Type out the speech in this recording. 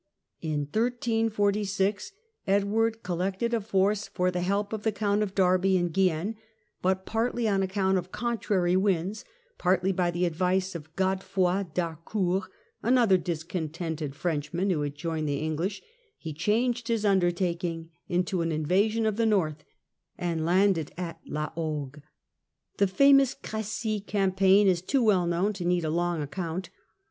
In 1346 Edward collected a force for the help of the Count of Derby in Guienne, but partly on account of contrary winds, partly by the advice of Godefroi d'Har court, another discontented Frenchman who had joined the English, he changed his undertaking into an invasion of the North and lauded at La Hogue. The famous Cre^y campaign is too well known to need a long account.